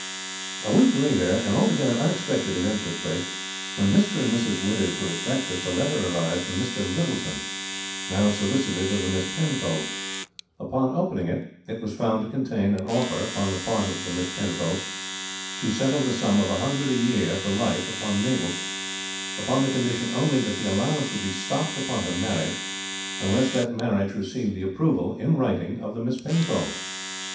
A week later an altogether unexpected event took place. When Mr. and Mrs. Withers were at breakfast a letter arrived from Mr. Littleton, now solicitor to the Miss Penfolds. Upon opening it it was found to contain an offer upon the part of the Miss Penfolds to settle the sum of a hundred a year for life upon Mabel, upon the condition only that the allowance would be stopped upon her marriage, unless that marriage received the approval, in writing, of the Miss Penfolds.